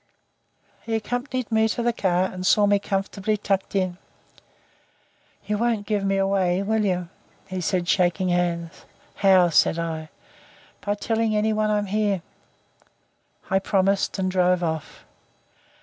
He accompanied me to the car and saw me comfortably tucked in. "You won't give me away, will you?" he said, shaking hands. "How?" I asked. "By telling any one I'm here." I promised and drove off.